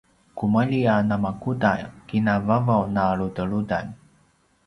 kumalji a namakuda kina vavaw na ludeludan